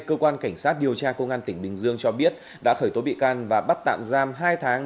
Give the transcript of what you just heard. cơ quan cảnh sát điều tra công an tỉnh bình dương cho biết đã khởi tố bị can và bắt tạm giam hai tháng